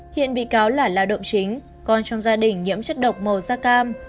hiện bị cáo là lao động chính con trong gia đình nhiễm chất độc màu da cam